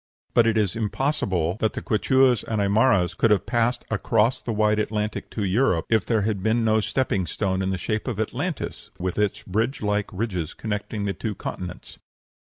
] But it is impossible that the Quichuas and Aimaras could have passed across the wide Atlantic to Europe if there had been no stepping stone in the shape of Atlantis with its bridge like ridges connecting the two continents.